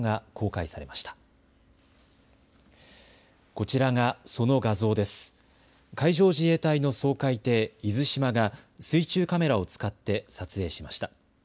海上自衛隊の掃海艇、いずしまが水中カメラを使って撮影しました。